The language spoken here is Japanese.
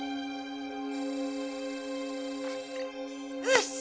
よし！